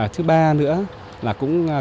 thứ ba nữa là các sản phẩm nông sản sạch